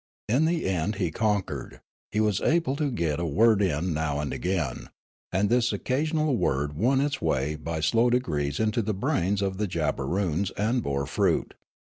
In the end he conquered ; he was able to get a word in now and again ; and this occasional word won its way by slow degrees into the brains of the Jabberoons and bore fruit.